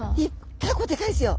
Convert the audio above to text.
結構でかいですよ。